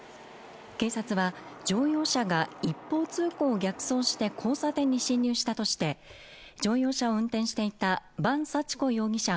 警察は乗用車が一方通行を逆走して交差点に進入したとして乗用車を運転していた伴幸子容疑者